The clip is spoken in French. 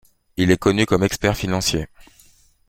Il est connu comme expert financier.